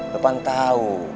lo kan tau